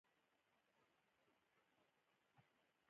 ترې وې غوښتل چې باید څوک ظلم ونکړي.